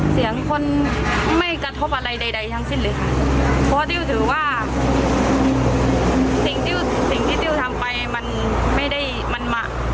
สิ่งที่ติ้วทำไปมันไม่ได้มันมะ